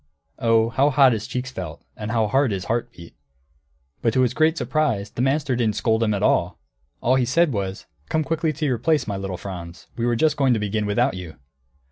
Oh, how hot his cheeks felt, and how hard his heart beat! But to his great surprise the master didn't scold at all. All he said was, "Come quickly to your place, my little Franz; we were just going to begin without you!"